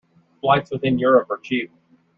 Flights within Europe are cheap.